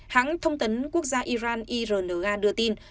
hãng thông tấn quốc gia iran irn nga đưa tin